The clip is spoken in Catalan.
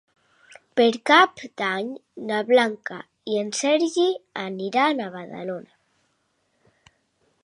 Per Cap d'Any na Blanca i en Sergi aniran a Badalona.